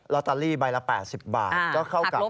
ลอตเตอรี่ใบละ๘๐บาท